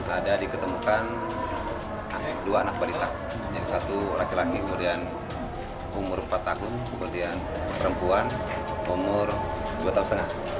ada diketemukan dua anak balita yang satu laki laki kemudian umur empat tahun kemudian perempuan umur dua tahun setengah